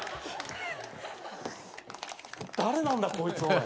誰なんだこいつは。